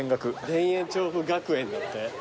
田園調布学園だって。